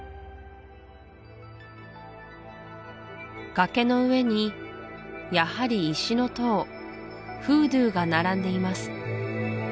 崖の上にやはり石の塔フードゥーが並んでいます